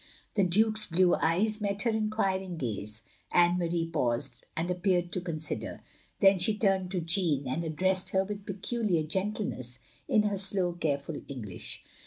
The Duke's blue eyes met her enqtdring gaze. Anne Marie paused, and appeared to consider. Then she ttimed to Jeanne, and addressed her with peculiar gentleness, in her slow, careful English.